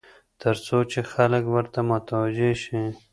تر څو چې خلک ورته متوجع شي.